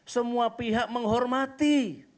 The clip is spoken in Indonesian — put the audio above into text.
semua pihak menghormati